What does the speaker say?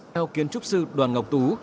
theo kiến trúc sư đoàn ngọc tú